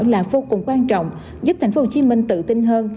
là vô cùng quan trọng giúp thành phố hồ chí minh tự tin hơn